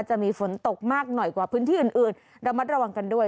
จะมีฝนตกมากหน่อยกว่าพื้นที่อื่นอื่นระมัดระวังกันด้วย